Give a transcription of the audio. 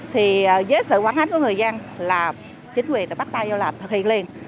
thì với sự quản ánh của người dân là chính quyền đã bắt tay vô làm thực hiện liền